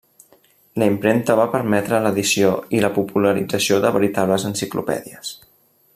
La impremta va permetre l’edició i la popularització de veritables enciclopèdies.